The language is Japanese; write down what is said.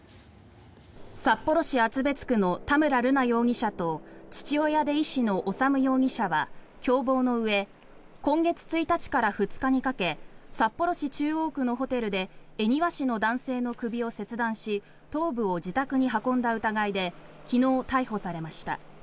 札幌市厚別区の田村瑠奈容疑者と父親で医師の修容疑者は共謀のうえ今月１日から２日にかけ札幌市中央区のホテルで恵庭市の男性の首を切断し頭部を自宅に運んだ疑いで昨日逮捕されました。